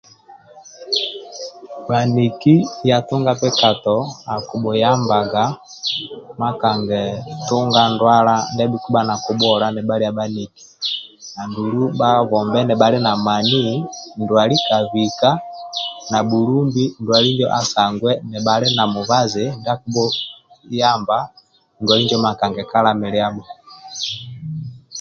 Bhaniki ya tunga bikato akibhuyambaga makanga tunga ndwala ndia abhikibha nakibhuola nibhalia bhaniki andulu bhabombe nibhali na mani ndwali kabika nabhulumbi ndwali asangwe nibhali na mubazi ndia akibhuyamba ndwali injo makanga kalamiliabho